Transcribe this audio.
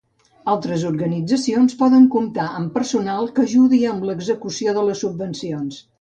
Altres organitzacions poden comptar amb personal que ajudi amb l'execució de les subvencions.